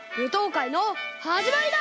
かいのはじまりだ！